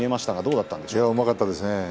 うまかったですね。